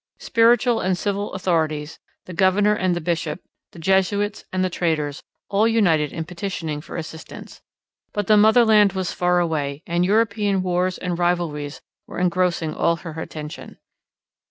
Spiritual and civil authorities, the governor and the bishop, the Jesuits and the traders, all united in petitioning for assistance. But the motherland was far away, and European wars and rivalries were engrossing all her attention.